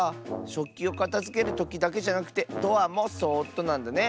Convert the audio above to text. しょっきをかたづけるときだけじゃなくてドアもそっとなんだね。